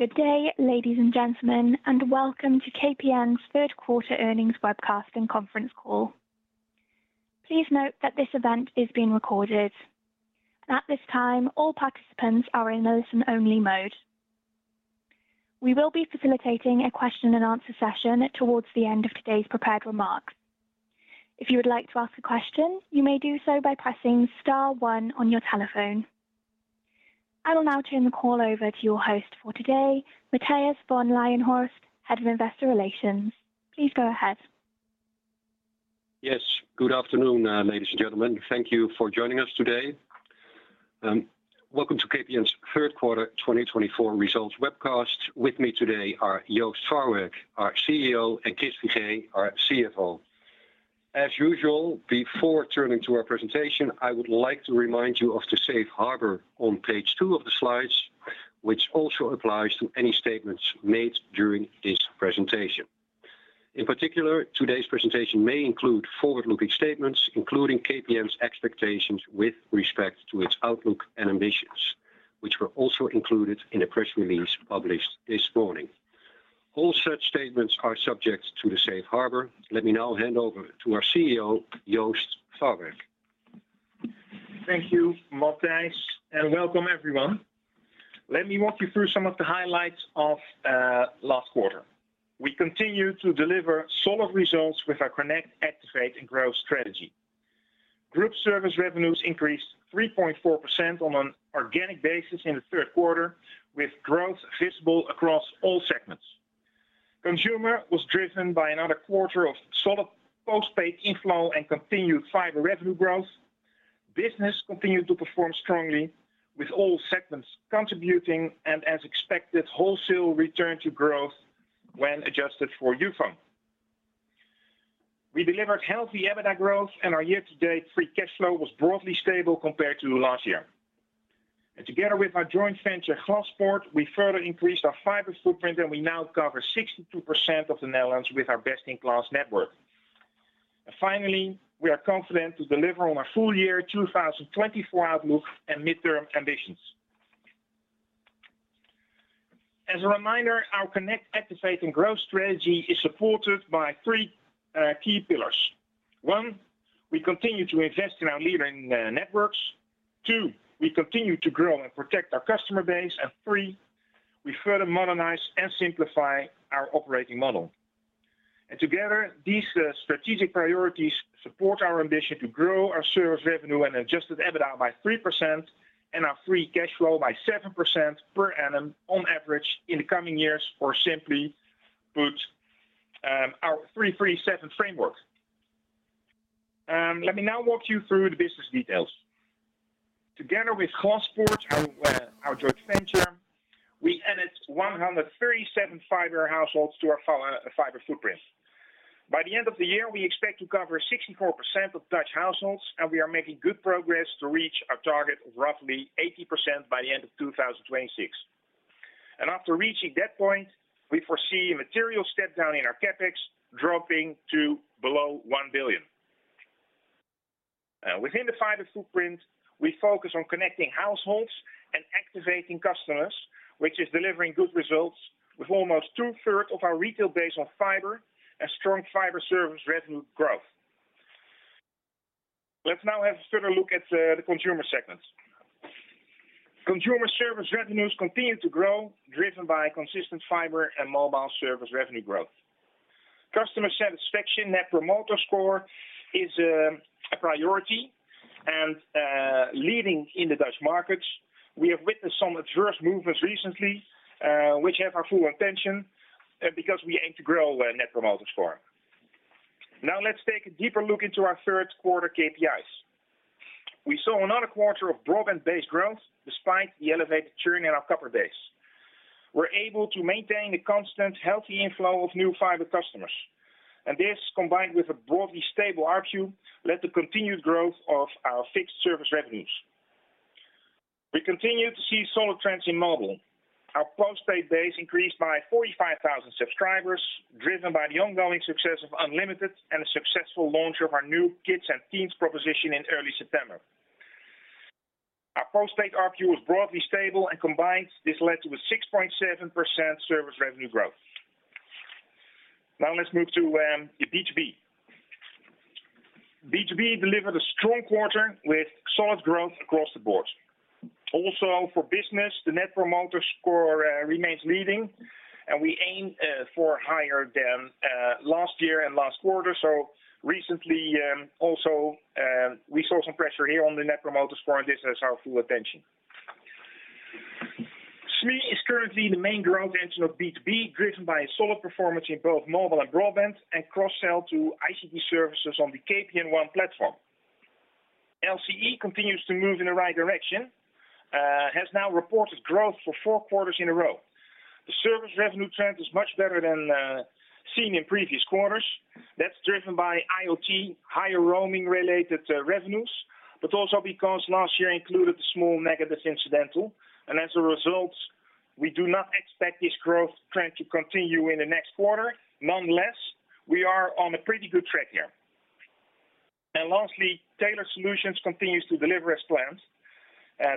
Good day, ladies and gentlemen, and welcome to KPN's Third Quarter Earnings Webcast and Conference Call. Please note that this event is being recorded. At this time, all participants are in listen-only mode. We will be facilitating a question and answer session towards the end of today's prepared remarks. If you would like to ask a question, you may do so by pressing star one on your telephone. I will now turn the call over to your host for today, Matthijs van Leijenhorst, Head of Investor Relations. Please go ahead. Yes, good afternoon, ladies and gentlemen. Thank you for joining us today. Welcome to KPN's third quarter 2024 results webcast. With me today are Joost Farwerck, our CEO, and Chris Figee, our CFO. As usual, before turning to our presentation, I would like to remind you of the safe harbor on page two of the slides, which also applies to any statements made during this presentation. In particular, today's presentation may include forward-looking statements, including KPN's expectations with respect to its outlook and ambitions, which were also included in a press release published this morning. All such statements are subject to the Safe Harbor. Let me now hand over to our CEO, Joost Farwerck. Thank you, Matthijs, and welcome everyone. Let me walk you through some of the highlights of last quarter. We continued to deliver solid results with our Connect, Activate, and Grow strategy. Group service revenues increased 3.4% on an organic basis in the third quarter, with growth visible across all segments. Consumer was driven by another quarter of solid postpaid inflow and continued fiber revenue growth. Business continued to perform strongly, with all segments contributing, and as expected, wholesale return to growth when adjusted for Youfone. We delivered healthy EBITDA growth, and our year-to-date free cash flow was broadly stable compared to last year, and together with our joint venture, Glaspoort, we further increased our fiber footprint, and we now cover 62% of the Netherlands with our best-in-class network. Finally, we are confident to deliver on our full year 2024 outlook and midterm ambitions. As a reminder, our Connect, Activate, and Grow strategy is supported by three key pillars. One, we continue to invest in our leading networks. Two, we continue to grow and protect our customer base. And three, we further modernize and simplify our operating model. And together, these strategic priorities support our ambition to grow our service revenue and adjusted EBITDA by 3% and our free cash flow by 7% per annum on average in the coming years, or simply put, our 3-3-7 framework. Let me now walk you through the business details. Together with Glaspoort, our joint venture, we added 137 fiber households to our fiber footprint. By the end of the year, we expect to cover 64% of Dutch households, and we are making good progress to reach our target of roughly 80% by the end of 2026. After reaching that point, we foresee a material step down in our CapEx, dropping to below 1 billion. Within the fiber footprint, we focus on connecting households and activating customers, which is delivering good results with almost two-thirds of our retail base on fiber and strong fiber service revenue growth. Let's now have a further look at the consumer segment. Consumer service revenues continued to grow, driven by consistent fiber and mobile service revenue growth. Customer satisfaction Net Promoter Score is a priority and leading in the Dutch markets. We have witnessed some adverse movements recently, which have our full attention, because we aim to grow Net Promoter Score. Now, let's take a deeper look into our third quarter KPIs. We saw another quarter of broadband-based growth despite the elevated churn in our copper base. We're able to maintain a constant, healthy inflow of new fiber customers, and this, combined with a broadly stable ARPU, led to continued growth of our fixed service revenues. We continue to see solid trends in mobile. Our postpaid base increased by 45,000 subscribers, driven by the ongoing success of Unlimited and a successful launch of our new kids and teens proposition in early September. Our postpaid ARPU was broadly stable, and combined, this led to a 6.7% service revenue growth. Now let's move to the B2B. B2B delivered a strong quarter with solid growth across the board. Also, for business, the Net Promoter Score remains leading, and we aim for higher than last year and last quarter. So recently, also, we saw some pressure here on the Net Promoter Score, and this has our full attention. SME is currently the main growth engine of B2B, driven by a solid performance in both mobile and broadband, and cross-sell to ICT services on the KPN One platform. LCE continues to move in the right direction, has now reported growth for four quarters in a row. The service revenue trend is much better than seen in previous quarters. That's driven by IoT, higher roaming-related revenues, but also because last year included a small negative incidental. As a result, we do not expect this growth trend to continue in the next quarter. Nonetheless, we are on a pretty good track here. Lastly, Tailored Solutions continues to deliver as planned.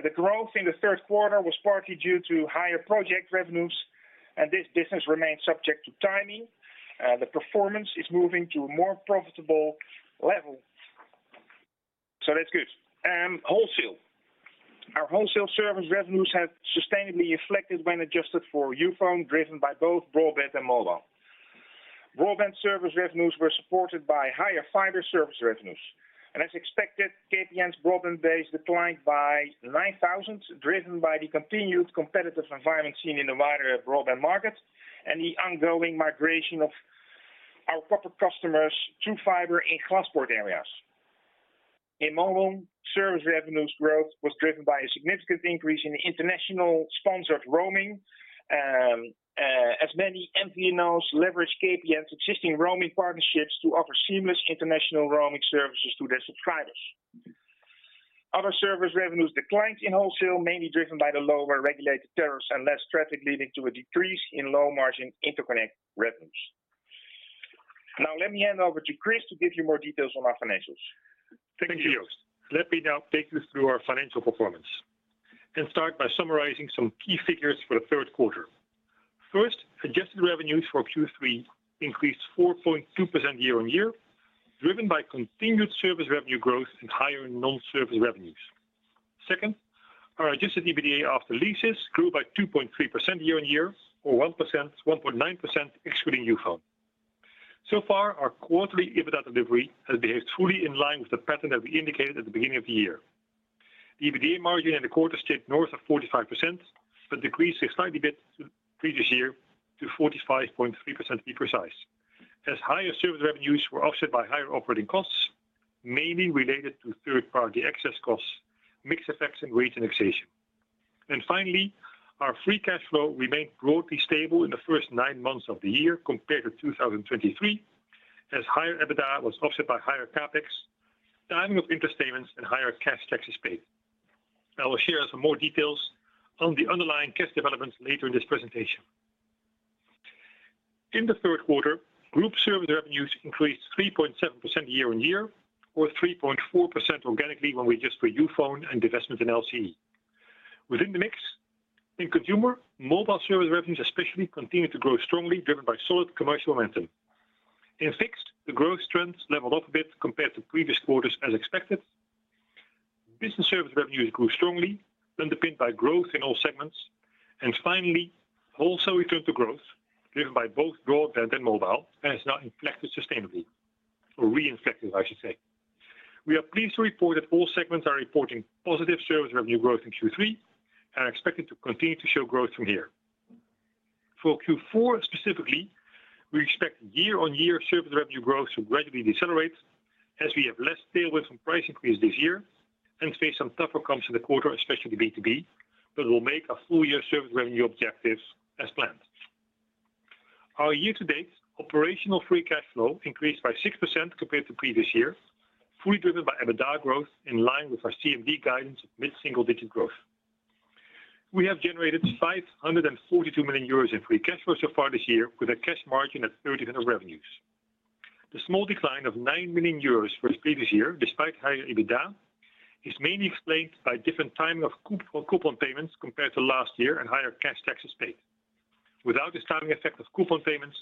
The growth in the third quarter was partly due to higher project revenues, and this business remains subject to timing. The performance is moving to a more profitable level, so that's good. Wholesale. Our wholesale service revenues have sustainably inflected when adjusted for Youfone, driven by both broadband and mobile. Broadband service revenues were supported by higher fiber service revenues. As expected, KPN's broadband base declined by nine thousand, driven by the continued competitive environment seen in the wider broadband market and the ongoing migration of our copper customers to fiber in Glaspoort areas. In mobile, service revenues growth was driven by a significant increase in international sponsored roaming. As many MVNOs leverage KPN's existing roaming partnerships to offer seamless international roaming services to their subscribers. Other service revenues declined in wholesale, mainly driven by the lower regulated tariffs and less traffic, leading to a decrease in low margin interconnect revenues. Now, let me hand over to Chris to give you more details on our financials. Thank you Joost. Let me now take you through our financial performance and start by summarizing some key figures for the third quarter. First, adjusted revenues for Q3 increased 4.2% year on year, driven by continued service revenue growth and higher non-service revenues. Second, our adjusted EBITDA after leases grew by 2.3% year on year or 1%, 1.9% excluding Youfone. So far, our quarterly EBITDA delivery has behaved truly in line with the pattern that we indicated at the beginning of the year. EBITDA margin in the quarter stayed north of 45%, but decreased a slightly bit to the previous year to 45.3%, to be precise, as higher service revenues were offset by higher operating costs, mainly related to third party access costs, mix effects and wage indexation. Finally, our free cash flow remained broadly stable in the first nine months of the year compared to 2023, as higher EBITDA was offset by higher CapEx, timing of interest payments, and higher cash taxes paid. I will share some more details on the underlying cash developments later in this presentation. In the third quarter, group service revenues increased 3.7% year on year, or 3.4% organically when we adjust for Youfone and divestment in LCE. Within the mix, in consumer, mobile service revenues especially continued to grow strongly, driven by solid commercial momentum. In fixed, the growth trends leveled off a bit compared to previous quarters, as expected. Business service revenues grew strongly, underpinned by growth in all segments. And finally, wholesale returned to growth, driven by both broadband and mobile, and it's now inflected sustainably or re-inflected, I should say. We are pleased to report that all segments are reporting positive service revenue growth in Q3 and are expected to continue to show growth from here. For Q4, specifically, we expect year-on-year service revenue growth to gradually decelerate as we have less tailwind from price increase this year and face some tougher comps in the quarter, especially B2B, but we'll make our full year service revenue objectives as planned. Our year-to-date operational free cash flow increased by 6% compared to previous year, fully driven by EBITDA growth, in line with our CMD guidance of mid-single digit growth. We have generated 542 million euros in free cash flow so far this year, with a cash margin of 30% revenues. The small decline of 9 million euros from previous year, despite higher EBITDA, is mainly explained by different timing of coupon payments compared to last year and higher cash taxes paid. Without this timing effect of coupon payments,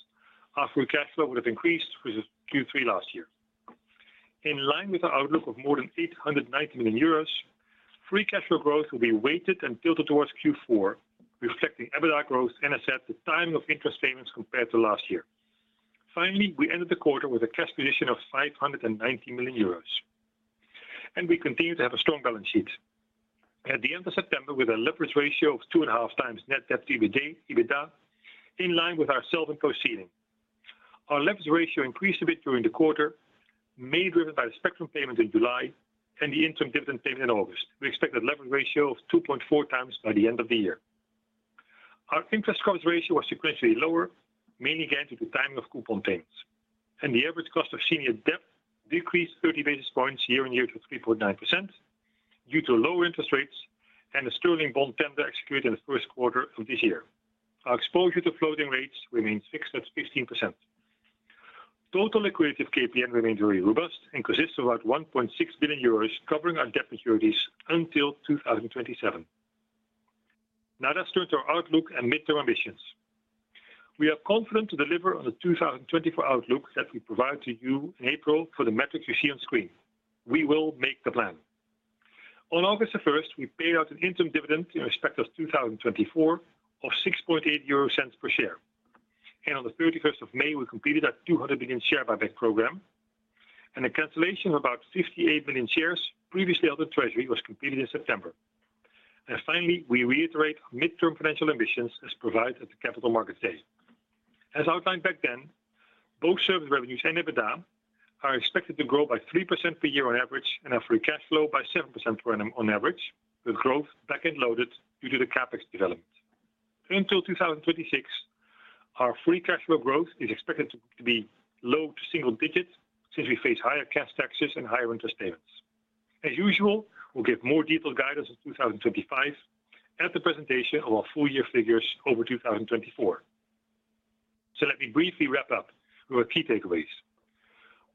our free cash flow would have increased versus Q3 last year. In line with our outlook of more than 890 million euros, free cash flow growth will be weighted and tilted towards Q4, reflecting EBITDA growth and asset, the timing of interest payments compared to last year. Finally, we ended the quarter with a cash position of 590 million euros, and we continue to have a strong balance sheet. At the end of September, with a leverage ratio of two and a half times net debt to EBITDA, in line with our debt ceiling. Our leverage ratio increased a bit during the quarter, mainly driven by the spectrum payment in July and the interim dividend payment in August. We expect a leverage ratio of 2.4 times by the end of the year. Our interest coverage ratio was sequentially lower, mainly again, due to timing of coupon payments, and the average cost of senior debt decreased 30 basis points year on year to 3.9%, due to lower interest rates and the Sterling bond tender executed in the first quarter of this year. Our exposure to floating rates remains fixed at 15%. Total liquidity of KPN remains very robust and consists of about 1.6 billion euros, covering our debt maturities until 2027. Now, let's turn to our outlook and midterm ambitions. We are confident to deliver on the 2024 outlook that we provided to you in April for the metrics you see on screen. We will make the plan. On August 1, we paid out an interim dividend in respect of 2024 of 0.068 per share, and on May 31, we completed our 200 million share buyback program, and the cancellation of about 58 million shares previously held in Treasury was completed in September, and finally, we reiterate midterm financial ambitions as provided at the Capital Markets Day. As outlined back then, both service revenues and EBITDA are expected to grow by 3% per year on average, and our free cash flow by 7% per annum on average, with growth back end loaded due to the CapEx development. Until 2026, our free cash flow growth is expected to be low to single digits, since we face higher cash taxes and higher interest payments. As usual, we'll give more detailed guidance in 2025 at the presentation of our full year figures for 2024. So let me briefly wrap up with our key takeaways.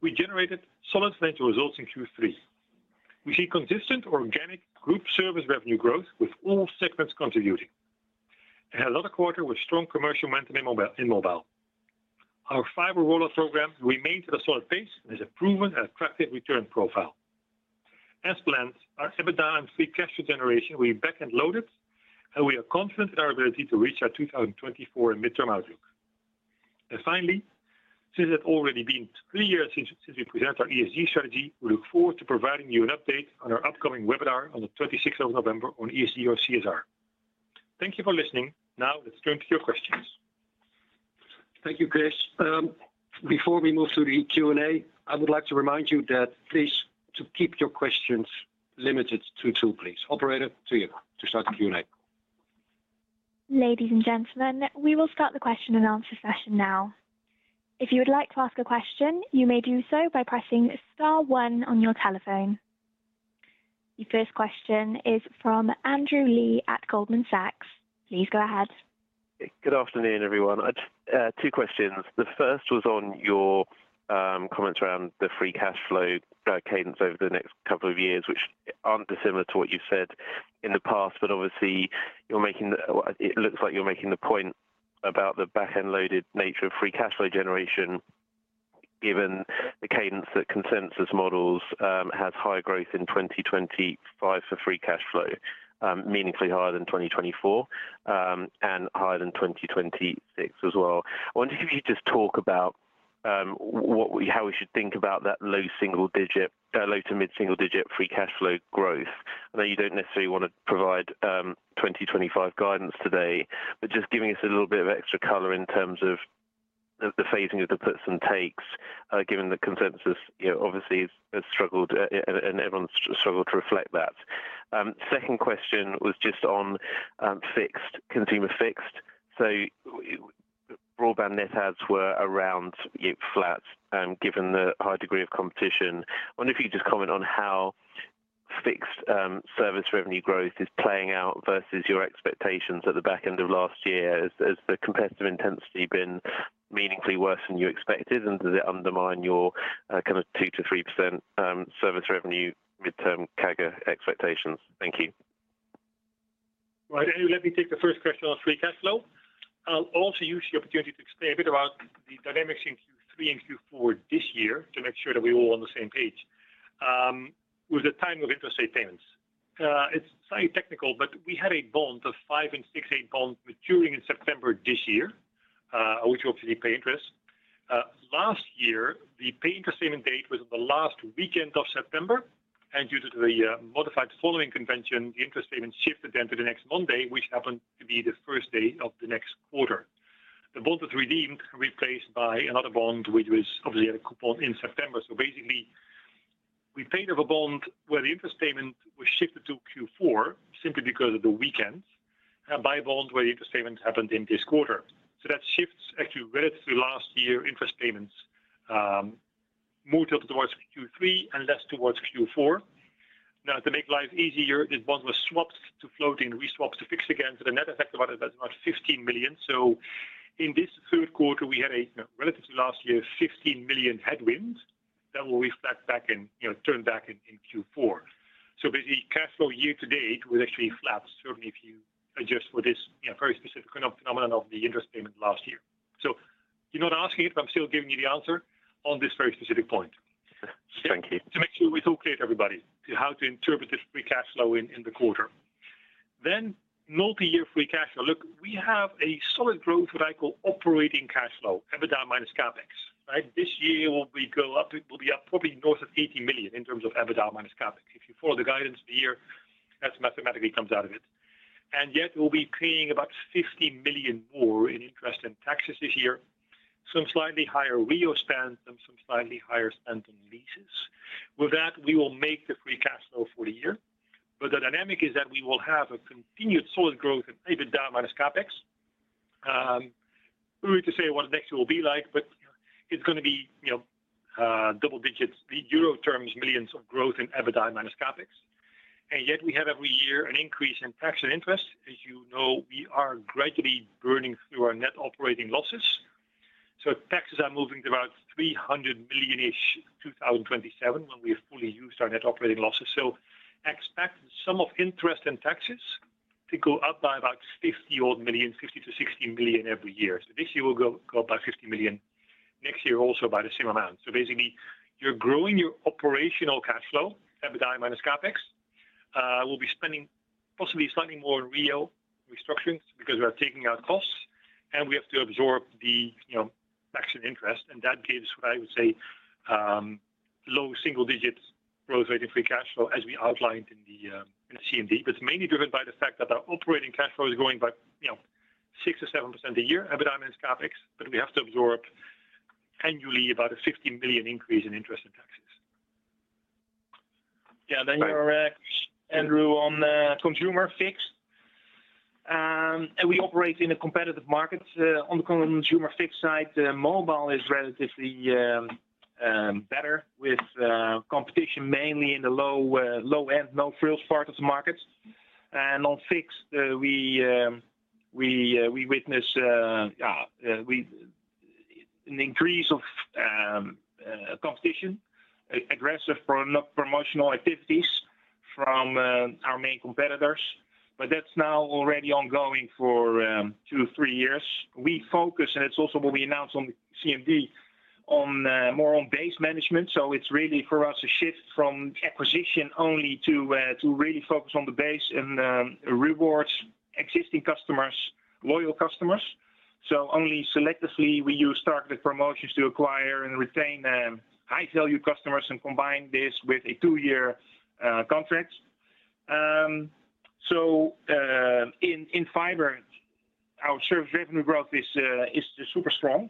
We generated solid financial results in Q3. We see consistent organic group service revenue growth with all segments contributing. And another quarter with strong commercial momentum in mobile. Our fiber rollout program remains at a solid pace and has a proven and attractive return profile. As planned, our EBITDA and free cash flow generation will be back-end loaded, and we are confident in our ability to reach our 2024 midterm outlook. Finally, since it's already been three years since we presented our ESG strategy, we look forward to providing you an update on our upcoming webinar on the twenty-sixth of November on ESG or CSR. Thank you for listening. Now, let's turn to your questions. Thank you, Chris. Before we move to the Q&A, I would like to remind you that please, to keep your questions limited to two, please. Operator, to you to start the Q&A. Ladies and gentlemen, we will start the question and answer session now. If you would like to ask a question, you may do so by pressing star one on your telephone. Your first question is from Andrew Lee at Goldman Sachs. Please go ahead. Good afternoon, everyone. I just two questions. The first was on your comments around the free cash flow cadence over the next couple of years, which aren't dissimilar to what you said in the past, but obviously it looks like you're making the point about the back-end loaded nature of free cash flow generation, given the cadence that consensus models have higher growth in 2025 for free cash flow, meaningfully higher than 2024, and higher than 2026 as well. I wonder if you could just talk about how we should think about that low single digit, low to mid single digit free cash flow growth. I know you don't necessarily want to provide 2025 guidance today, but just giving us a little bit of extra color in terms of the phasing of the puts and takes, given the consensus, you know, obviously has struggled, and everyone's struggled to reflect that. Second question was just on fixed, consumer fixed. So broadband net adds were around, you know, flat, given the high degree of competition. I wonder if you could just comment on how fixed service revenue growth is playing out versus your expectations at the back end of last year. Has the competitive intensity been meaningfully worse than you expected? And does it undermine your kind of 2%-3% service revenue midterm CAGR expectations? Thank you. Right, Andrew, let me take the first question on free cash flow. I'll also use the opportunity to explain a bit about the dynamics in Q3 and Q4 this year to make sure that we're all on the same page. With the timing of interest rate payments, it's slightly technical, but we had a bond, a five to six rate bond maturing in September this year, which obviously pay interest. Last year, the interest payment date was the last weekend of September, and due to the modified following convention, the interest payment shifted then to the next Monday, which happened to be the first day of the next quarter. The bond was redeemed, replaced by another bond, which was obviously had a coupon in September. So basically, we paid off a bond where the interest payment was shifted to Q4 simply because of the weekend, and by a bond, where the interest payment happened in this quarter. So that shifts actually relative to last year, interest payments, more towards Q3 and less towards Q4. Now, to make life easier, this bond was swapped to floating, re-swapped to fixed again. So the net effect of about 15 million. So in this third quarter, we had relatively last year, 15 million headwinds that will reflect back in, you know, turn back in Q4. So basically, cash flow year to date was actually flat. Certainly, if you adjust for this, you know, very specific phenomenon of the interest payment last year. So you're not asking it, but I'm still giving you the answer on this very specific point. Thank you. To make sure we're totally clear to everybody on how to interpret this free cash flow in the quarter. Then multi-year free cash flow. Look, we have a solid growth, what I call operating cash flow, EBITDA minus CapEx, right? This year, we go up to, we'll be up probably north of 80 million in terms of EBITDA minus CapEx. If you follow the guidance of the year, that mathematically comes out of it. And yet we'll be paying about 50 million more in interest and taxes this year, some slightly higher REO spend, and some slightly higher spend in leases. With that, we will make the free cash flow for the year, but the dynamic is that we will have a continued solid growth in EBITDA minus CapEx. We need to say what next year will be like, but it's gonna be, you know, double digits in euro terms, millions of growth in EBITDA minus CapEx. And yet we have every year an increase in tax and interest. As you know, we are gradually burning through our net operating losses. So taxes are moving to about 300 million-ish in 2027, when we have fully used our net operating losses. So expect the sum of interest and taxes to go up by about 50-odd million, 50-60 million every year. So this year will go up by 50 million, next year also by the same amount. So basically, you're growing your operational cash flow, EBITDA minus CapEx. We'll be spending possibly slightly more in REO restructurings because we are taking out costs and we have to absorb the, you know, tax and interest, and that gives, I would say, low single digits growth rate in free cash flow, as we outlined in the, in the CMD. But it's mainly driven by the fact that our operating cash flow is growing by, you know, 6% or 7% a year, EBITDA minus CapEx, but we have to absorb annually about a 50 million increase in interest and taxes. Yeah, then you're, Andrew, on, consumer fixed. And we operate in a competitive market, on the consumer fixed side, mobile is relatively better with competition, mainly in the low end, no frills part of the market. And on fixed, we witness an increase of competition, aggressive promotional activities from our main competitors, but that's now already ongoing for two, three years. We focus, and it's also what we announced on the CMD, on more on base management, so it's really for us a shift from acquisition only to really focus on the base and reward existing customers, loyal customers, so only selectively we use targeted promotions to acquire and retain high-value customers and combine this with a two-year contract, so in fiber, our service revenue growth is super strong.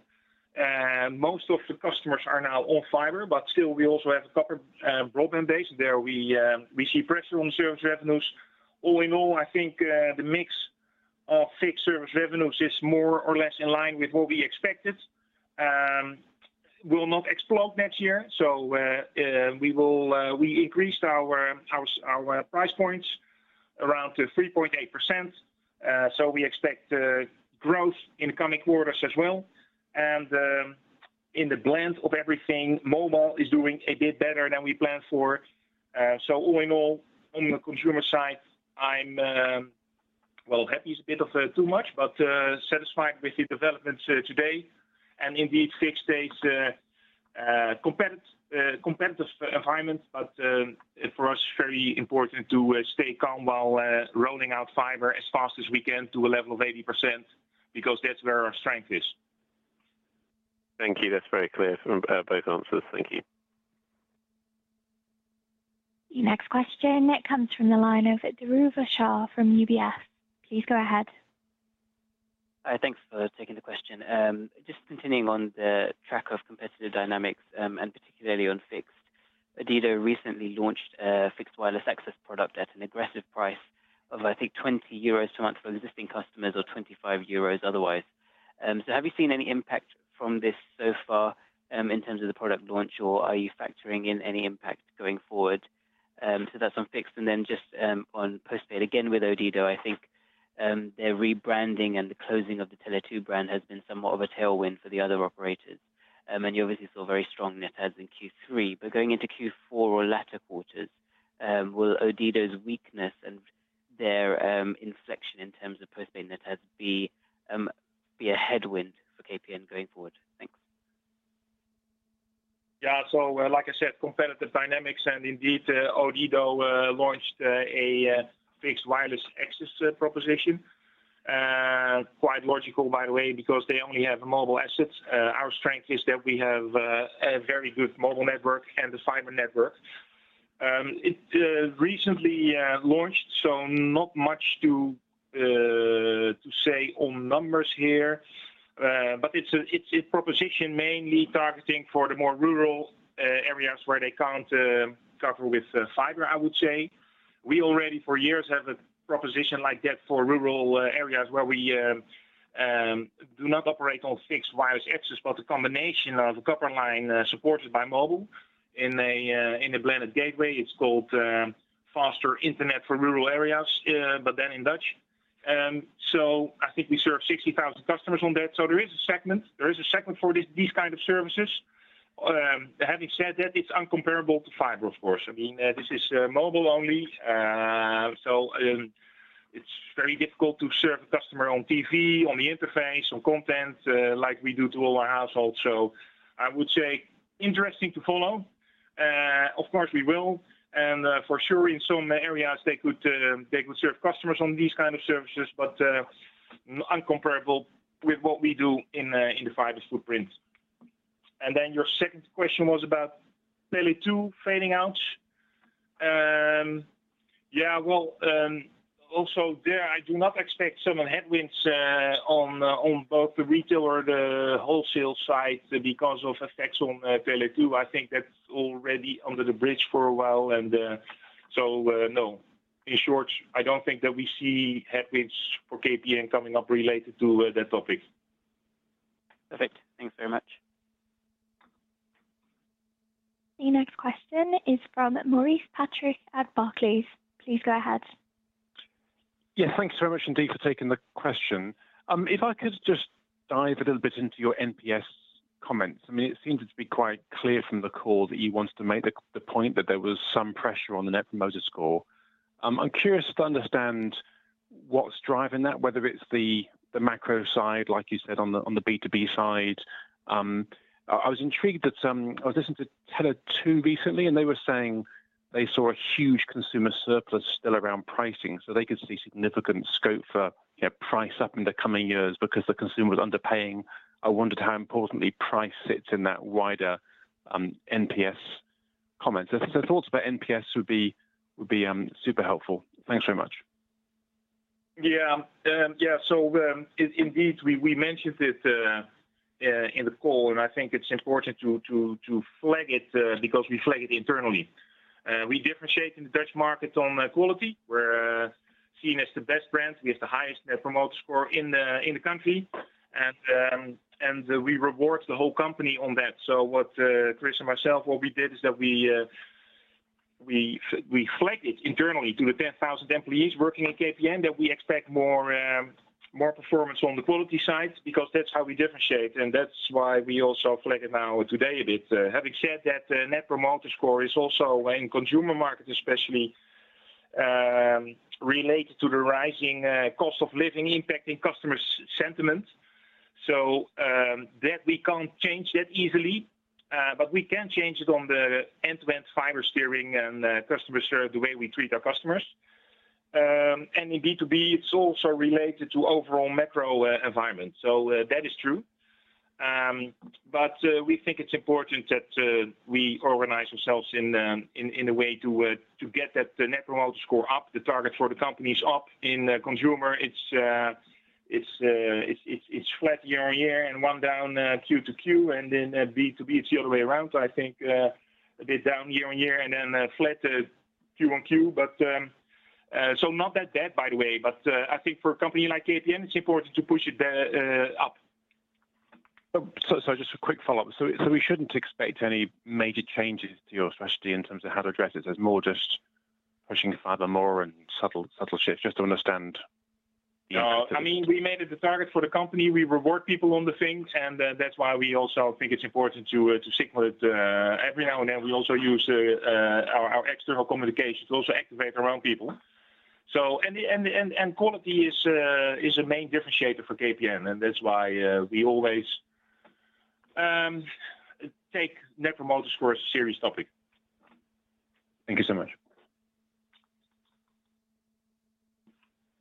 Most of the customers are now on fiber, but still we also have a copper broadband base. There we see pressure on service revenues. All in all, I think, the mix of fixed service revenues is more or less in line with what we expected. Will not explode next year, so, we will, we increased our price points around to 3.8%. So we expect growth in the coming quarters as well. And, in the blend of everything, mobile is doing a bit better than we planned for. So all in all, on the consumer side, I'm well, happy is a bit of too much, but, satisfied with the developments today. And indeed, fixed stays competitive. Competitive environment, but, for us, very important to stay calm while rolling out fiber as fast as we can to a level of 80%, because that's where our strength is. Thank you. That's very clear from both answers. Thank you. The next question, it comes from the line of Dhruva Shah from UBS. Please go ahead. Hi, thanks for taking the question. Just continuing on the track of competitive dynamics, and particularly on fixed. Odido recently launched a fixed wireless access product at an aggressive price of, I think, 20 euros a month for existing customers or 25 euros otherwise. So have you seen any impact from this so far, in terms of the product launch, or are you factoring in any impact going forward? So that's on fixed. And then just on postpaid, again, with Odido, I think their rebranding and the closing of the Tele2 brand has been somewhat of a tailwind for the other operators. And you obviously saw very strong net adds in Q3. But going into Q4 or latter quarters, will Odido's weakness and their inflection in terms of postpaid net adds be a headwind for KPN going forward? Thanks. Yeah. So like I said, competitive dynamics and indeed, Odido launched a fixed wireless access proposition. Quite logical, by the way, because they only have mobile assets. Our strength is that we have a very good mobile network and the fiber network. It recently launched, so not much to say on numbers here. But it's a proposition mainly targeting for the more rural areas where they can't cover with fiber, I would say. We already for years have a proposition like that for rural areas where we do not operate on fixed wireless access, but a combination of a copper line supported by mobile in a blended gateway. It's called Faster Internet for Rural Areas, but then in Dutch. I think we serve 60,000 customers on that. So there is a segment for these kind of services. Having said that, it's incomparable to fiber, of course. I mean, this is mobile only. So it's very difficult to serve a customer on TV, on the interface, on content like we do to all our households. So I would say interesting to follow. Of course, we will. And for sure, in some areas, they could serve customers on these kind of services, but incomparable with what we do in the fiber footprint. And then your second question was about Tele2 fading out. Yeah, well, also there, I do not expect some headwinds on both the retail or the wholesale side because of effects on Tele2. I think that's already under the bridge for a while, and so, no. In short, I don't think that we see headwinds for KPN coming up related to that topic. Perfect. Thanks very much. The next question is from Maurice Patrick at Barclays. Please go ahead. Yeah, thank you so much indeed for taking the question. If I could just dive a little bit into your NPS comments. I mean, it seems to be quite clear from the call that you wanted to make the point that there was some pressure on the Net Promoter Score. I'm curious to understand what's driving that, whether it's the macro side, like you said, on the B2B side. I was intrigued that I was listening to Tele2 recently, and they were saying they saw a huge consumer surplus still around pricing, so they could see significant scope for, you know, price up in the coming years because the consumer was underpaying. I wondered how importantly price sits in that wider NPS comment. So, thoughts about NPS would be super helpful. Thanks very much. Yeah. Yeah, so, indeed, we mentioned it in the call, and I think it's important to flag it because we flag it internally. We differentiate in the Dutch market on quality. We're seen as the best brand with the highest Net Promoter Score in the country. And we reward the whole company on that. So what Chris and myself, what we did is that we flagged it internally to the 10,000 employees working at KPN, that we expect more performance on the quality side because that's how we differentiate, and that's why we also flagged it now today a bit. Having said that, the net promoter score is also in consumer market, especially, related to the rising cost of living impacting customer sentiment. That we can't change that easily, but we can change it on the end-to-end fiber steering and customer service, the way we treat our customers. In B2B, it's also related to overall macro environment. That is true. We think it's important that we organize ourselves in a way to get that, the Net Promoter Score, up. The target for the company is up. In consumer, it's flat year-on-year and one down Q-to-Q, and then in B2B, it's the other way around. I think a bit down year-on-year and then flat Q-on-Q. Not that bad by the way, but I think for a company like KPN, it's important to push it up. So, just a quick follow-up. So, we shouldn't expect any major changes to your strategy in terms of how to address it? There's more just pushing fiber more and subtle shifts, just to understand the- I mean, we made it the target for the company. We reward people on the things, and that's why we also think it's important to signal it. Every now and then, we also use our external communications to also activate our own people. So, and the quality is a main differentiator for KPN, and that's why we always take Net Promoter Score a serious topic. Thank you so much.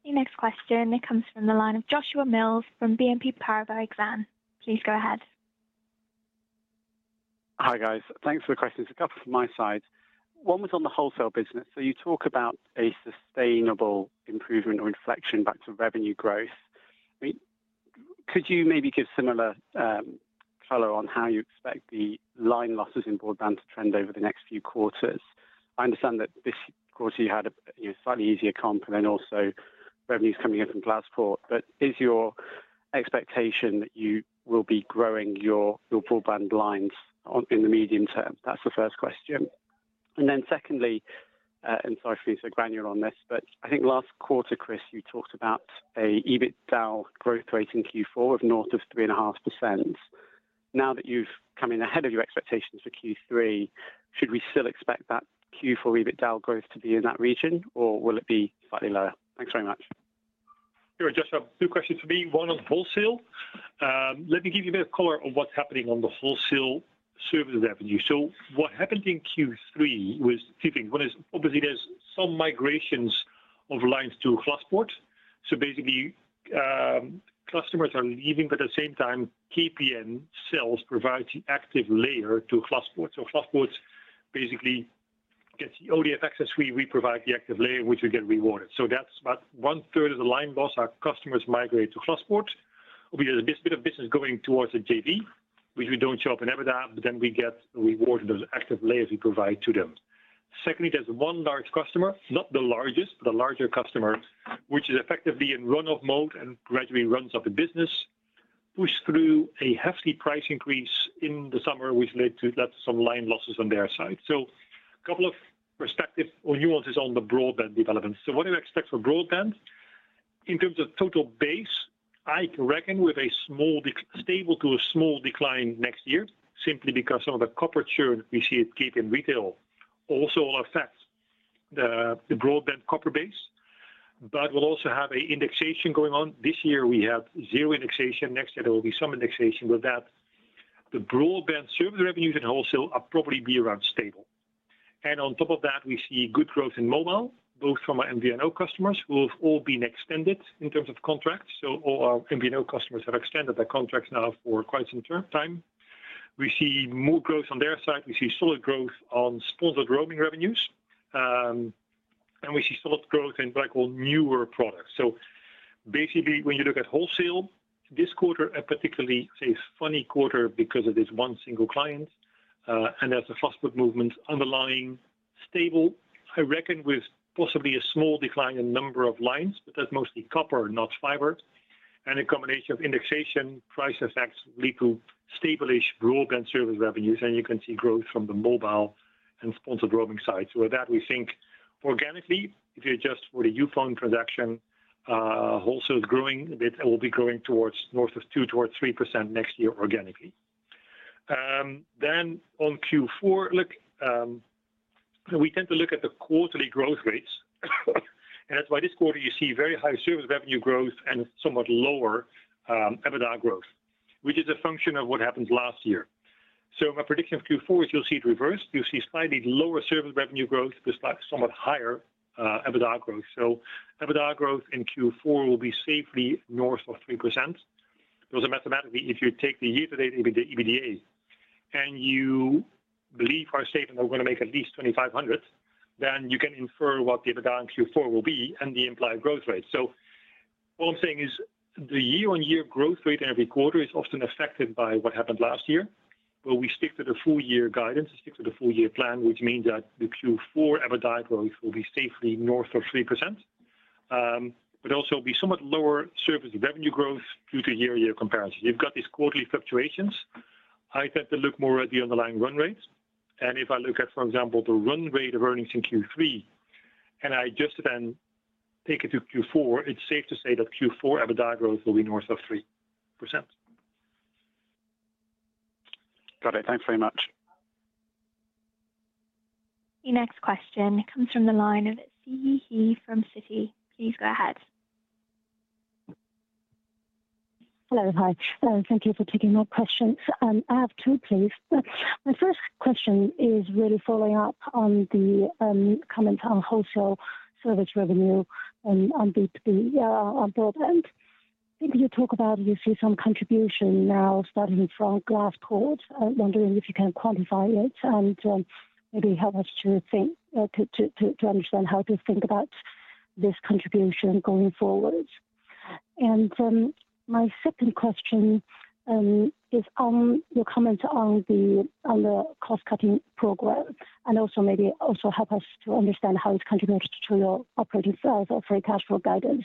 The next question comes from the line of Joshua Mills from BNP Paribas Exane. Please go ahead. Hi, guys. Thanks for the questions. A couple from my side. One was on the wholesale business. So you talk about a sustainable improvement or inflection back to revenue growth. I mean, could you maybe give similar color on how you expect the line losses in broadband to trend over the next few quarters? I understand that this quarter you had a you know slightly easier comp, and then also revenues coming in from Glaspoort. But is your expectation that you will be growing your broadband lines on in the medium term? That's the first question. And then secondly, and sorry for being so granular on this, but I think last quarter, Chris, you talked about an EBITDA growth rate in Q4 of north of 3.5%. Now that you've come in ahead of your expectations for Q3, should we still expect that Q4 EBITDA growth to be in that region, or will it be slightly lower? Thanks very much. Sure, Joshua. Two questions for me, one on wholesale. Let me give you a bit of color on what's happening on the wholesale service revenue, so what happened in Q3 was two things. One is, obviously, there's some migrations of lines to Glaspoort, so basically, customers are leaving, but at the same time, KPN sales provides the active layer to Glaspoort, so Glaspoort basically gets the ODF access. We provide the active layer, which we get rewarded, so that's about one-third of the line loss. Our customers migrate to Glaspoort. There's a bit of business going towards the JV, which we don't show up in EBITDA, but then we get rewarded those active layers we provide to them. Secondly, there's one large customer, not the largest, but a larger customer, which is effectively in run-off mode and gradually runs off the business, pushed through a hefty price increase in the summer, which led to some line losses on their side. So a couple of perspectives or nuances on the broadband development. So what do we expect for broadband? In terms of total base, I reckon with stable to a small decline next year, simply because some of the copper churn we see at KPN retail also will affect the broadband copper base. But we'll also have indexation going on. This year we have zero indexation. Next year there will be some indexation. With that, the broadband service revenues and wholesale are probably be around stable. And on top of that, we see good growth in mobile, both from our MVNO customers, who have all been extended in terms of contracts. So all our MVNO customers have extended their contracts now for quite some time. We see more growth on their side. We see solid growth on sponsored roaming revenues. And we see solid growth in what I call newer products. So basically, when you look at wholesale this quarter, a particularly, say, funny quarter because of this one single client, and there's a Glaspoort movement underlying stable. I reckon with possibly a small decline in number of lines, but that's mostly copper, not fiber. And a combination of indexation price effects lead to stable-ish broadband service revenues, and you can see growth from the mobile and sponsored roaming side. So with that, we think organically, if you adjust for the Youfone transaction, wholesale is growing a bit and will be growing towards north of 2% towards 3% next year organically. Then on Q4, look, we tend to look at the quarterly growth rates, and that's why this quarter you see very high service revenue growth and somewhat lower, EBITDA growth, which is a function of what happened last year. So my prediction of Q4 is you'll see it reversed. You'll see slightly lower service revenue growth, but slight, somewhat higher, EBITDA growth. So EBITDA growth in Q4 will be safely north of 3%. Those are mathematically, if you take the year-to-date EBITDA, and you believe our statement, we're going to make at least 2,500, then you can infer what the EBITDA in Q4 will be and the implied growth rate. So all I'm saying is the year-on-year growth rate in every quarter is often affected by what happened last year. Well, we stick to the full year guidance, we stick to the full year plan, which means that the Q4 EBITDA growth will be safely north of 3%. But also be somewhat lower service revenue growth due to year-over-year comparison. You've got these quarterly fluctuations. I tend to look more at the underlying run rates. And if I look at, for example, the run rate of earnings in Q3, and I just then take it to Q4, it's safe to say that Q4 EBITDA growth will be north of 3%. Got it. Thanks very much. The next question comes from the line of Siyi He from Citi. Please go ahead. Hello, hi. Thank you for taking my questions. I have two, please. My first question is really following up on the comment on wholesale service revenue and on B2B on broadband. I think you talk about, you see some contribution now starting from Glaspoort. I'm wondering if you can quantify it and maybe help us to think to understand how to think about this contribution going forward. And my second question is on your comment on the cost-cutting program, and also maybe help us to understand how it contributes to your operating sales or free cash flow guidance.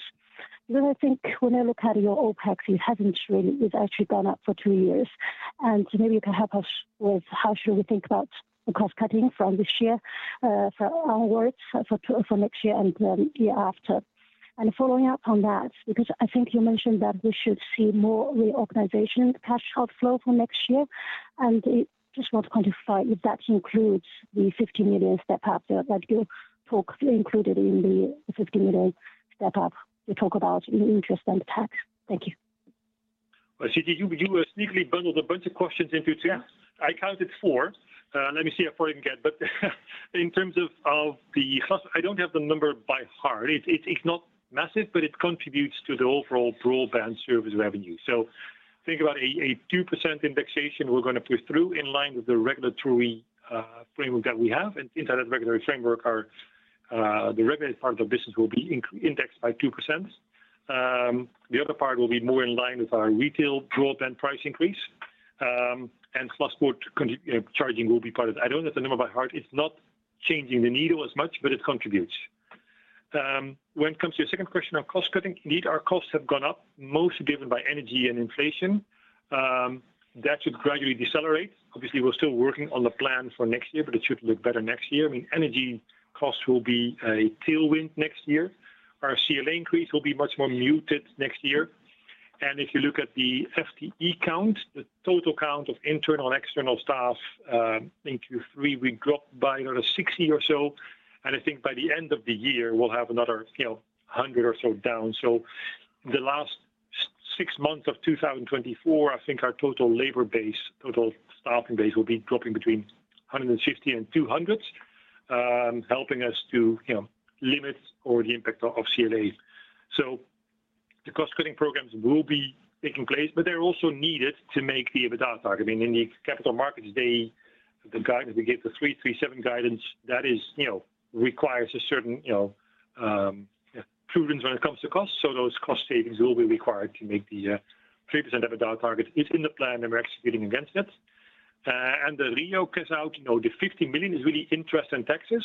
Because I think when I look at your OpEx, it hasn't really. It's actually gone up for two years, and so maybe you can help us with how we should think about the cost cutting from this year onwards for next year and the year after. Following up on that, because I think you mentioned that we should see more reorganization cash outflow for next year, and I just want to quantify if that includes the 50 million step up that you talked included in the 50 million step up you talk about in interest and tax. Thank you. Siyi, you sneakily bundled a bunch of questions into two. Yeah. I counted four. In terms of the cost, I don't have the number by heart. It's not massive, but it contributes to the overall broadband service revenue. So think about a 2% indexation we're gonna push through in line with the regulatory framework that we have. And internet regulatory framework are the regulated part of the business will be indexed by 2%. The other part will be more in line with our retail broadband price increase. And Glaspoort contracting will be part of it. I don't have the number by heart. It's not changing the needle as much, but it contributes. When it comes to your second question on cost cutting, indeed, our costs have gone up, mostly driven by energy and inflation. That should gradually decelerate. Obviously, we're still working on the plan for next year, but it should look better next year. I mean, energy costs will be a tailwind next year. Our CLA increase will be much more muted next year. And if you look at the FTE count, the total count of internal and external staff, in Q3, we dropped by another 60 or so, and I think by the end of the year, we'll have another, you know, 100 or so down. So the last six months of two thousand and twenty-four, I think our total labor base, total staffing base, will be dropping between 150 and 200, helping us to, you know, limit the impact of CLA. So the cost-cutting programs will be taking place, but they're also needed to make the EBITDA target. I mean, in the capital markets, they, the guidance we give, the three three seven guidance, that is, you know, requires a certain, you know, prudence when it comes to cost. So those cost savings will be required to make the 3% EBITDA target. It's in the plan, and we're executing against it. And the reorg is out. You know, the 50 million is really interest and taxes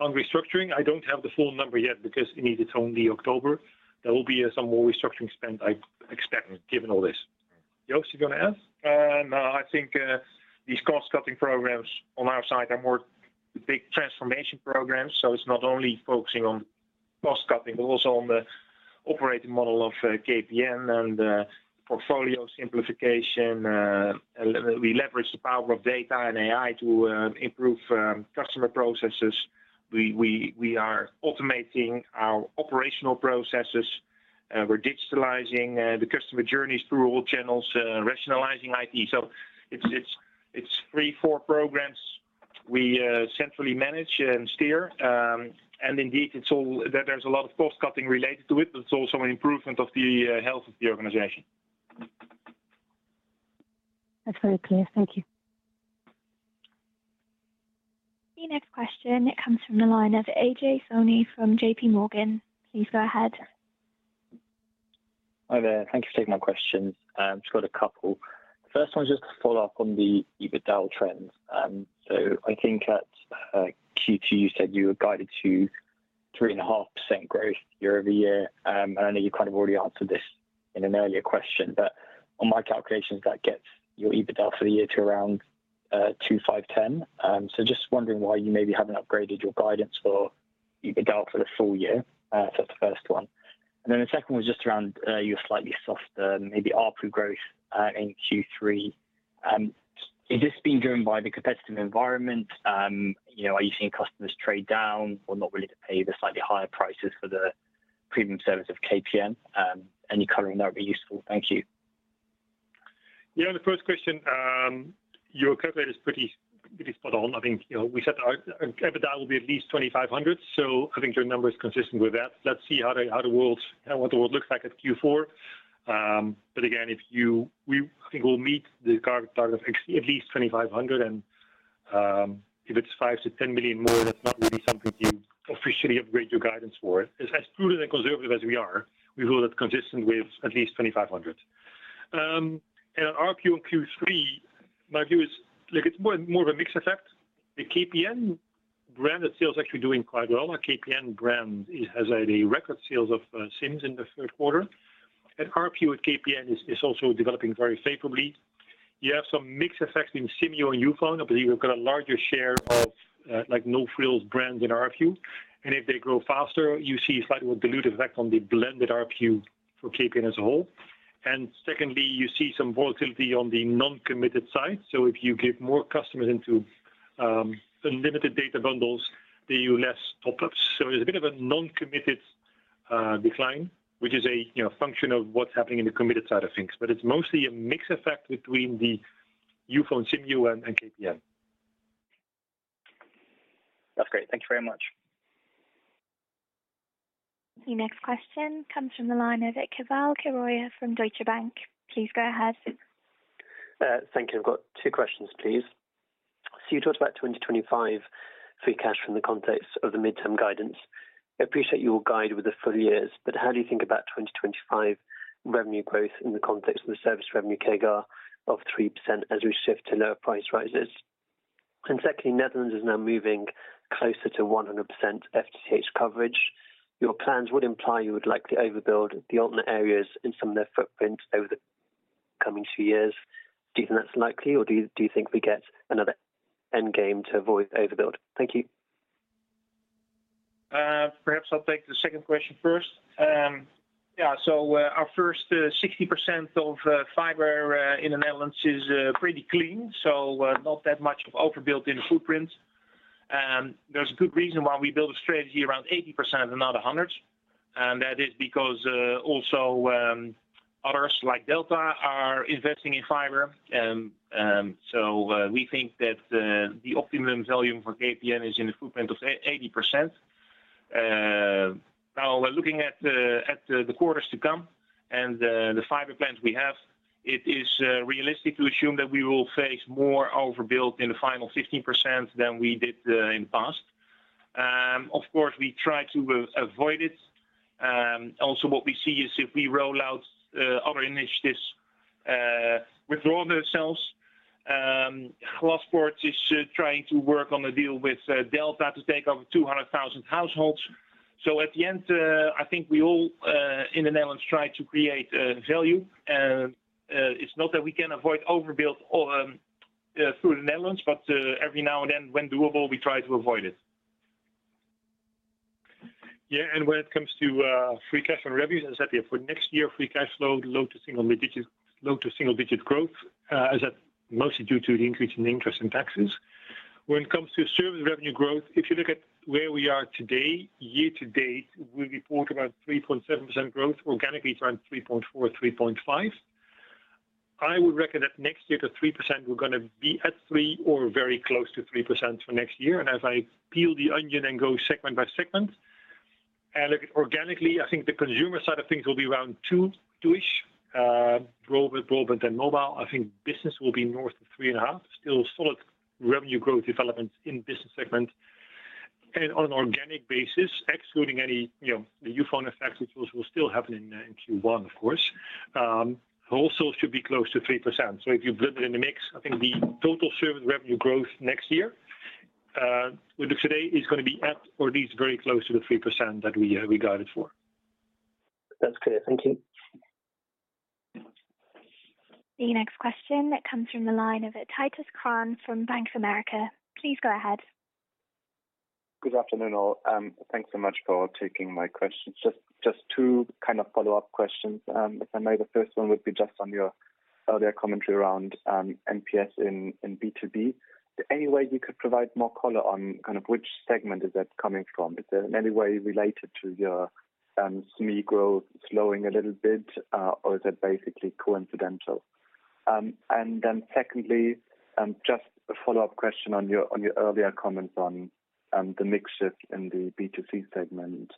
on restructuring. I don't have the full number yet because, I mean, it's only October. There will be some more restructuring spend, I expect, given all this. Joost, you gonna add? No, I think these cost-cutting programs on our side are more big transformation programs. So it's not only focusing on cost cutting, but also on the operating model of KPN and portfolio simplification. We leverage the power of data and AI to improve customer processes. We are automating our operational processes. We're digitalizing the customer journeys through all channels, rationalizing IT. So it's three, four programs we centrally manage and steer, and indeed it's all. There's a lot of cost cutting related to it, but it's also an improvement of the health of the organization. That's very clear. Thank you. The next question, it comes from the line of Ajay Soni from J.P. Morgan. Please go ahead. Hi there. Thank you for taking my questions. Just got a couple. First one, just to follow up on the EBITDA trends. So I think at Q2, you said you were guided to 3.5% growth year over year. I know you kind of already answered this in an earlier question, but on my calculations, that gets your EBITDA for the year to around two five ten. So just wondering why you maybe haven't upgraded your guidance for EBITDA for the full year? So that's the first one. And then the second one is just around your slightly softer, maybe ARPU growth in Q3. Is this being driven by the competitive environment? You know, are you seeing customers trade down or not willing to pay the slightly higher prices for the premium service of KPN? Any coloring, that would be useful. Thank you. Yeah, on the first question, your calculator is pretty spot on. I think, you know, we said our EBITDA will be at least 2,500 million, so I think your number is consistent with that. Let's see how the world what the world looks like at Q4. But again, we, I think we'll meet the target of at least 2,500 million, and if it's 5 million-10 million more, that's not really something officially upgrade your guidance for it. As prudent and conservative as we are, we hold it consistent with at least 2,500 million, and our Q3, my view is, look, it's more of a mixed effect. The KPN branded sales are actually doing quite well. Our KPN brand has the record sales of SIMs in the third quarter, and ARPU with KPN is also developing very favorably. You have some mixed effects in Simyo and Youfone. I believe we've got a larger share of, like, no-frills brands in ARPU, and if they grow faster, you see a slightly more diluted effect on the blended ARPU for KPN as a whole. And secondly, you see some volatility on the non-committed side. So if you get more customers into unlimited data bundles, they use less top ups. So there's a bit of a non-committed decline, which is a, you know, function of what's happening in the committed side of things. But it's mostly a mix effect between the Youfone, Simyo, and KPN. That's great. Thank you very much. The next question comes from the line of Keval Khiroya from Deutsche Bank. Please go ahead. Thank you. I've got two questions, please. So you talked about 2025 free cash from the context of the midterm guidance. I appreciate you will guide with the full years, but how do you think about 2025 revenue growth in the context of the service revenue CAGR of 3% as we shift to lower price rises? And secondly, Netherlands is now moving closer to 100% FTTH coverage. Your plans would imply you would likely overbuild the alternate areas in some of their footprints over the coming two years. Do you think that's likely, or do you think we get another end game to avoid overbuild? Thank you. Perhaps I'll take the second question first. Yeah, so our first 60% of fiber in the Netherlands is pretty clean, so not that much of overbuild in the footprint. There's a good reason why we build a strategy around 80% and not 100%, and that is because also others like Delta are investing in fiber. So we think that the optimum volume for KPN is in the footprint of 80%. Now we're looking at the quarters to come and the fiber plans we have, it is realistic to assume that we will face more overbuild in the final 15% than we did in the past. Of course, we try to avoid it. Also what we see is if we roll out other initiatives, withdraw themselves. Glaspoort is trying to work on a deal with Delta to take over 200,000 households. So at the end, I think we all in the Netherlands try to create value. It's not that we can avoid overbuild through the Netherlands, but every now and then, when doable, we try to avoid it. Yeah, and when it comes to free cash and revenues, as I said, yeah, for next year, free cash flow, low to single digit growth, as at mostly due to the increase in interest and taxes. When it comes to service revenue growth, if you look at where we are today, year to date, we report about 3.7% growth, organically around 3.4, 3.5. I would reckon that next year to 3%, we're gonna be at 3% or very close to 3% for next year. And as I peel the onion and go segment by segment, look, organically, I think the consumer side of things will be around 2, 2-ish growth and mobile. I think business will be north of 3.5. Still solid revenue growth development in business segment. On an organic basis, excluding any, you know, the Youfone effect, which will still happen in Q1, of course, also should be close to 3%. If you blend it in the mix, I think the total service revenue growth next year, with today, is gonna be at or at least very close to the 3% that we guided for. That's clear. Thank you. The next question comes from the line of Titus Krahn from Bank of America. Please go ahead. Good afternoon, all. Thanks so much for taking my questions. Just two kind of follow-up questions. If I may, the first one would be just on your earlier commentary around NPS in B2B. Is there any way you could provide more color on kind of which segment is that coming from? Is it in any way related to your SME growth slowing a little bit, or is that basically coincidental? And then secondly, just a follow-up question on your earlier comments on the mix shift in the B2C segment.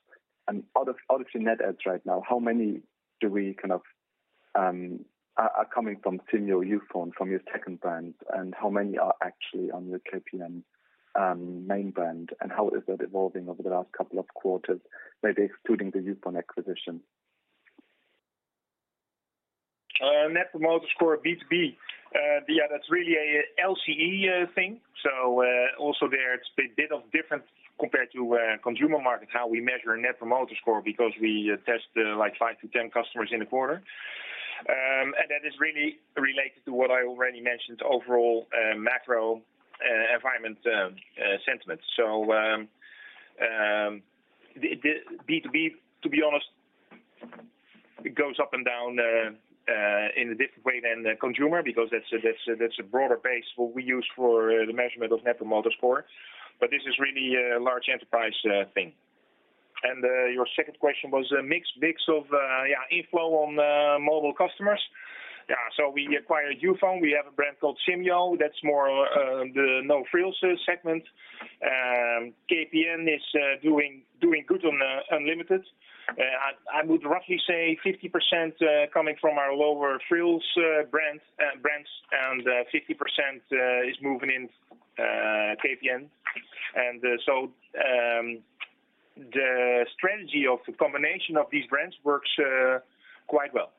Out of your net adds right now, how many are coming from Simyo, Youfone, from your second brand, and how many are actually on your KPN main brand, and how is that evolving over the last couple of quarters, maybe excluding the Youfone acquisition? Net Promoter Score, B2B. Yeah, that's really a LCE thing. So, also there, it's a bit different compared to consumer markets, how we measure Net Promoter Score, because we test like five to 10 customers in a quarter. And that is really related to what I already mentioned, overall macro environment sentiment. So, the B2B, to be honest, it goes up and down in a different way than the consumer, because that's a broader base, what we use for the measurement of Net Promoter Score, but this is really a large enterprise thing. And your second question was mix of yeah, inflow on mobile customers. Yeah, so we acquired Youfone. We have a brand called Simyo. That's more the no-frills segment. KPN is doing good on unlimited. I would roughly say 50% coming from our low-frills brands and 50% is moving into KPN. And so the strategy of the combination of these brands works quite well.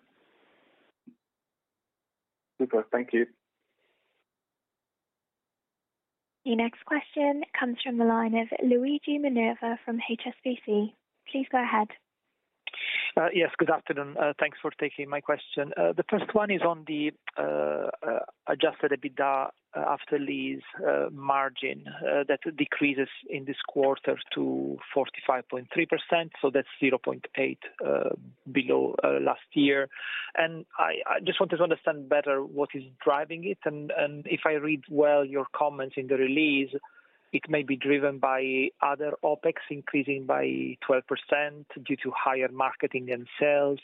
Super. Thank you. The next question comes from the line of Luigi Minerva from HSBC. Please go ahead. Yes, good afternoon. Thanks for taking my question. The first one is on the adjusted EBITDA after lease margin that decreases in this quarter to 45.3%, so that's 0.8 below last year. And I just wanted to understand better what is driving it, and if I read well your comments in the release, it may be driven by other OpEx increasing by 12% due to higher marketing and sales.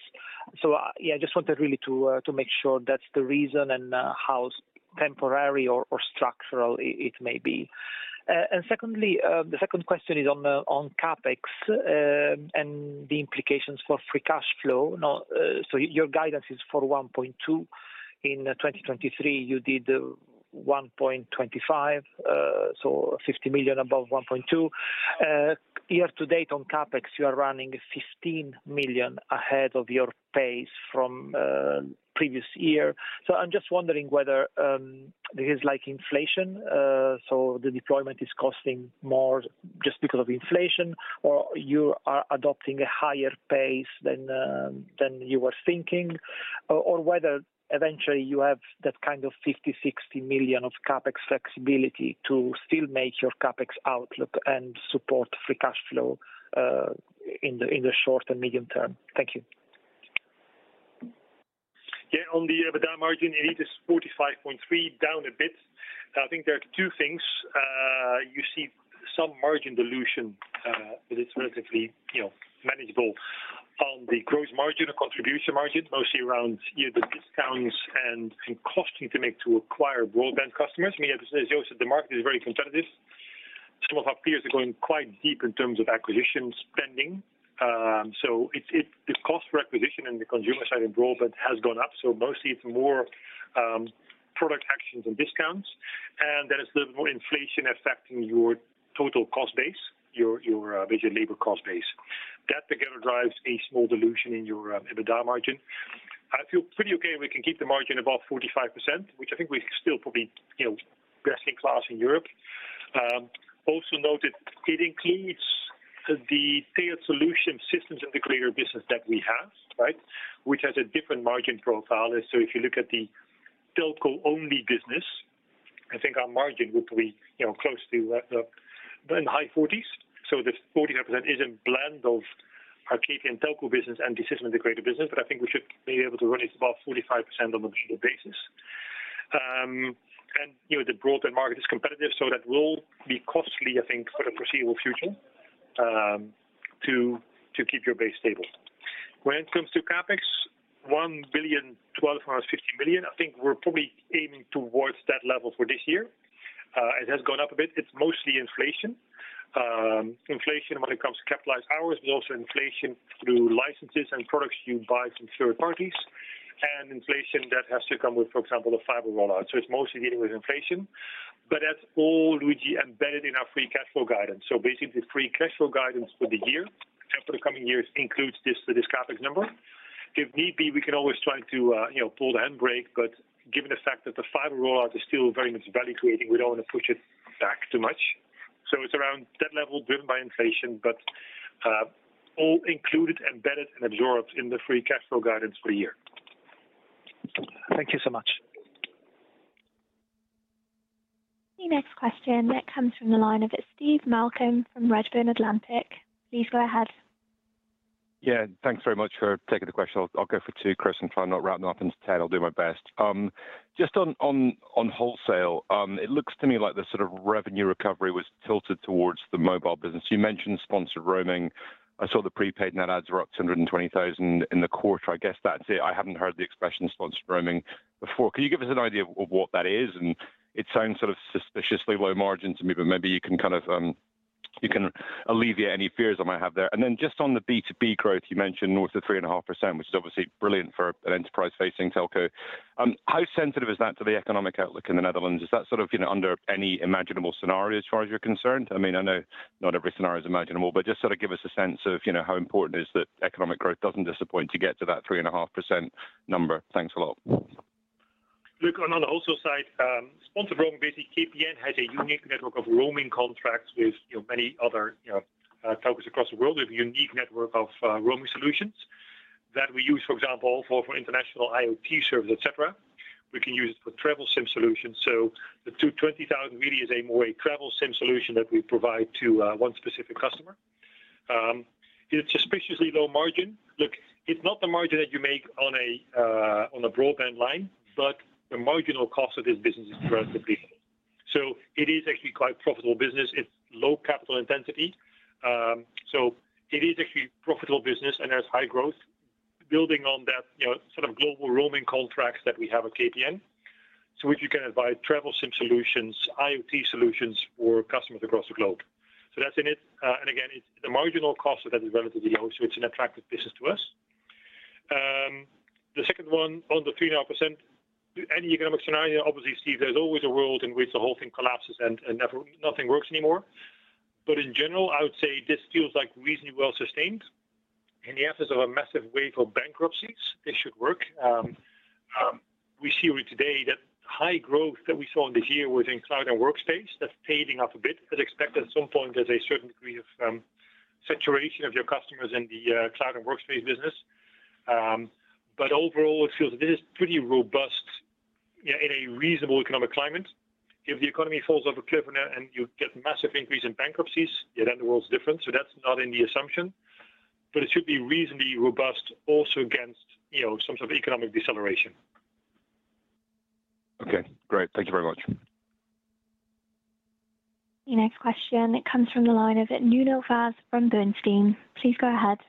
So, yeah, I just wanted really to make sure that's the reason, and how temporary or structural it may be. And secondly, the second question is on CapEx and the implications for free cash flow. Now, so your guidance is for 1.2. In 2023, you did 1.25 billion, so 50 million above 1.2 billion. Year to date on CapEx, you are running 15 million ahead of your pace from previous year. So I'm just wondering whether this is like inflation, so the deployment is costing more just because of inflation, or you are adopting a higher pace than you were thinking, or whether eventually you have that kind of 50-60 million of CapEx flexibility to still make your CapEx outlook and support free cash flow in the short and medium term. Thank you. Yeah, on the EBITDA margin, it is 45.3%, down a bit. I think there are two things. You see some margin dilution, but it's relatively, you know, manageable. On the gross margin or contribution margin, mostly around either discounts and costing to acquire broadband customers. I mean, as you also said, the market is very competitive. Some of our peers are going quite deep in terms of acquisition spending. So it's the cost per acquisition in the consumer side in broadband has gone up, so mostly it's more product actions and discounts, and there is a little more inflation affecting your total cost base, your basically labor cost base. That, again, drives a small dilution in your EBITDA margin. I feel pretty okay we can keep the margin above 45%, which I think we're still probably, you know, best in class in Europe. Also note that it includes the IT solutions systems integrator business that we have, right? Which has a different margin profile, and so if you look at the telco-only business, I think our margin would be, you know, close to in the high forties. So the 45% is a blend of our KPN telco business and the system integrator business, but I think we should be able to run it above 45% on a digital basis, and you know, the broadband market is competitive, so that will be costly, I think, for the foreseeable future, to keep your base stable. When it comes to CapEx, 1.125 billion, I think we're probably aiming towards that level for this year. It has gone up a bit. It's mostly inflation. Inflation when it comes to capitalized hours, but also inflation through licenses and products you buy from third parties, and inflation that has to come with, for example, the fiber rollout. So it's mostly dealing with inflation. But that's all, Luigi, embedded in our free cash flow guidance. So basically, free cash flow guidance for the year and for the coming years includes this, this CapEx number. If need be, we can always try to, you know, pull the handbrake, but given the fact that the fiber rollout is still very much value creating, we don't want to push it back too much. It's around that level, driven by inflation, but all included, embedded, and absorbed in the free cash flow guidance for the year. Thank you so much. The next question that comes from the line of Steve Malcolm from Redburn Atlantic. Please go ahead. Yeah, thanks very much for taking the question. I'll go for two, Chris, and try and not wrap them up into ten. I'll do my best. Just on wholesale, it looks to me like the sort of revenue recovery was tilted towards the mobile business. You mentioned sponsored roaming. I saw the prepaid net adds were up to 120,000 in the quarter. I guess that's it. I haven't heard the expression sponsored roaming before. Can you give us an idea of what that is? And it sounds sort of suspiciously low margin to me, but maybe you can kind of alleviate any fears I might have there. And then just on the B2B growth, you mentioned north of 3.5%, which is obviously brilliant for an enterprise-facing telco. How sensitive is that to the economic outlook in the Netherlands? Is that sort of, you know, under any imaginable scenario as far as you're concerned? I mean, I know not every scenario is imaginable, but just sort of give us a sense of, you know, how important it is that economic growth doesn't disappoint to get to that 3.5% number. Thanks a lot. Look, on the wholesale side, sponsored roaming, basically, KPN has a unique network of roaming contracts with, you know, many other, you know, telcos across the world. We have a unique network of roaming solutions that we use, for example, for international IoT services, et cetera. We can use it for travel SIM solutions. So the 220,000 really is a more a travel SIM solution that we provide to one specific customer. It's suspiciously low margin. Look, it's not the margin that you make on a broadband line, but the marginal cost of this business is relatively low. So it is actually quite profitable business. It's low capital intensity. So it is actually profitable business, and there's high growth. Building on that, you know, sort of global roaming contracts that we have at KPN. So which you can provide travel SIM solutions, IoT solutions for customers across the globe. So that's in it. And again, it's the marginal cost of that is relatively low, so it's an attractive business to us. The second one, on the 3.5%, any economic scenario, obviously, Steve, there's always a world in which the whole thing collapses and nothing works anymore. But in general, I would say this feels like reasonably well sustained. In the absence of a massive wave of bankruptcies, this should work. We see today that high growth that we saw this year within cloud and workspace, that's fading off a bit. But expect at some point there's a certain degree of saturation of your customers in the cloud and workspace business. But overall, it feels this is pretty robust, yeah, in a reasonable economic climate. If the economy falls off a cliff, and you get massive increase in bankruptcies, yeah, then the world's different, so that's not in the assumption. But it should be reasonably robust also against, you know, some sort of economic deceleration. Okay, great. Thank you very much. The next question comes from the line of Nuno Vaz from Bernstein. Please go ahead.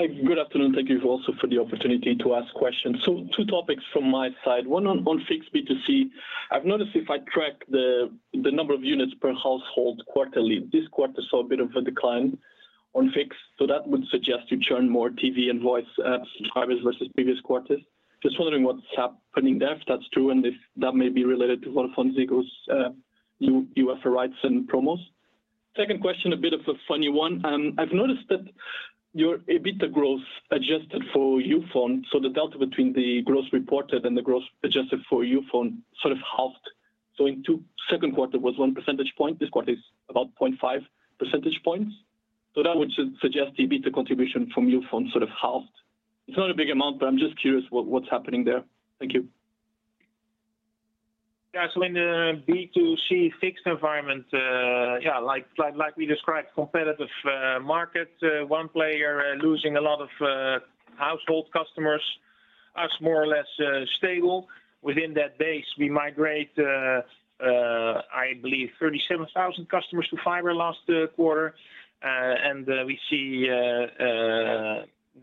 Hi, good afternoon. Thank you also for the opportunity to ask questions. So two topics from my side. One on fixed B2C. I've noticed if I track the number of units per household quarterly, this quarter saw a bit of a decline on fixed. So that would suggest you churn more TV and voice subscribers versus previous quarters. Just wondering what's happening there, if that's true, and if that may be related to VodafoneZiggo's UEFA rights and promos. Second question, a bit of a funny one. I've noticed that your EBITDA growth adjusted for Youfone, so the delta between the growth reported and the growth adjusted for Youfone sort of halved. Second quarter was one percentage point, this quarter is about point five percentage points. So that would suggest the EBITDA contribution from Youfone sort of halved. It's not a big amount, but I'm just curious what, what's happening there. Thank you. Yeah, so in the B2C fixed environment, yeah, like we described, competitive market, one player losing a lot of household customers. Us, more or less, stable. Within that base, we migrate, I believe, 37,000 customers to fiber last quarter. And we see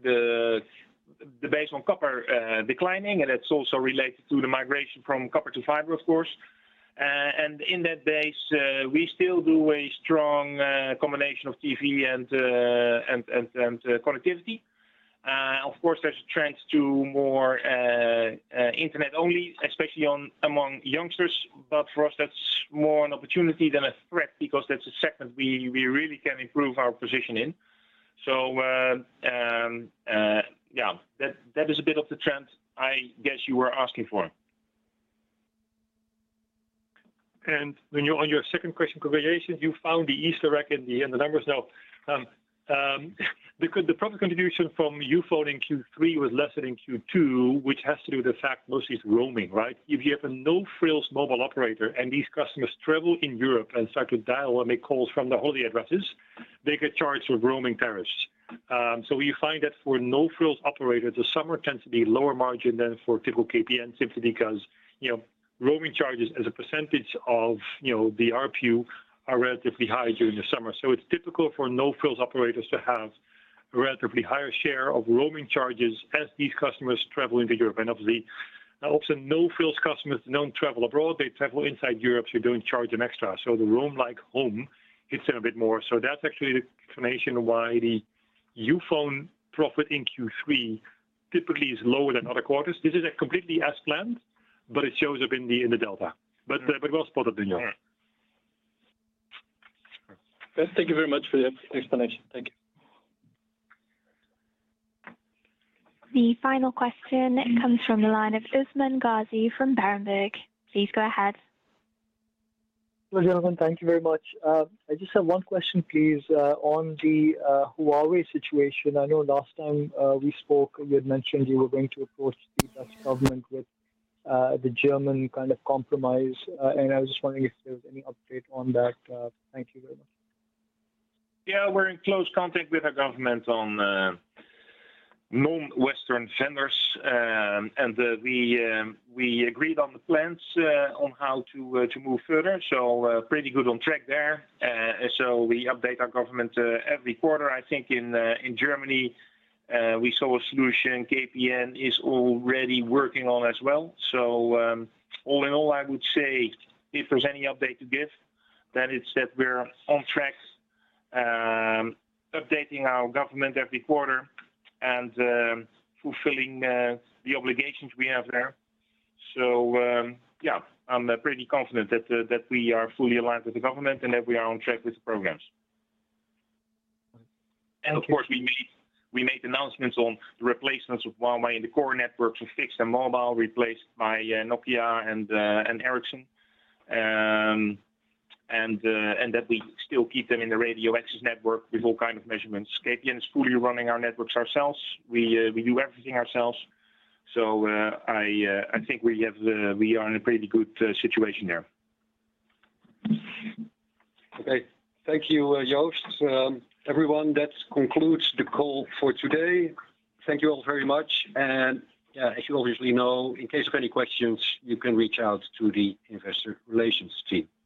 the base on copper declining, and that's also related to the migration from copper to fiber, of course. And in that base, we still do a strong combination of TV and connectivity. Of course, there's a trend to more internet only, especially among youngsters, but for us, that's more an opportunity than a threat because that's a segment we really can improve our position in. Yeah, that is a bit of the trend I guess you were asking for. On your second question, congratulations, you found the Easter egg in the numbers now. The profit contribution from Youfone in Q3 was lesser than Q2, which has to do with the fact mostly it's roaming, right? If you have a no-frills mobile operator, and these customers travel in Europe and start to dial or make calls from the holiday addresses, they get charged with roaming tariffs. So we find that for no-frills operator, the summer tends to be lower margin than for typical KPN, simply because, you know, roaming charges as a percentage of, you know, the ARPU are relatively high during the summer. So it's typical for no-frills operators to have a relatively higher share of roaming charges as these customers travel into Europe. And obviously, also, no-frills customers don't travel abroad. They travel inside Europe, so you don't charge them extra, so the Roam Like Home hits in a bit more. That's actually the explanation why the mobile profit in Q3 typically is lower than other quarters. This is completely as planned, but it shows up in the delta. But well spotted, Nuno. Yeah. Thank you very much for the explanation. Thank you. The final question comes from the line of Usman Ghazi from Berenberg. Please go ahead. Hello, gentlemen. Thank you very much. I just have one question, please, on the Huawei situation. I know last time we spoke, you had mentioned you were going to approach the Dutch government with the German kind of compromise, and I was just wondering if there was any update on that. Thank you very much. Yeah, we're in close contact with our government on non-Western vendors. We agreed on the plans on how to move further, so pretty good on track there. We update our government every quarter. I think in Germany we saw a solution KPN is already working on as well. All in all, I would say if there's any update to give, then it's that we're on track updating our government every quarter and fulfilling the obligations we have there. Yeah, I'm pretty confident that we are fully aligned with the government and that we are on track with the programs. Right. Of course, we made announcements on the replacements of Huawei in the core networks for fixed and mobile, replaced by Nokia and Ericsson, and that we still keep them in the radio access network with all kind of measurements. KPN is fully running our networks ourselves. We do everything ourselves. I think we are in a pretty good situation there. Okay. Thank you, Joost. Everyone, that concludes the call for today. Thank you all very much. And, as you obviously know, in case of any questions, you can reach out to the investor relations team. Bye.